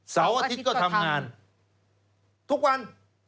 เสาร์อาทิตย์ก็ทำงานทุกวัน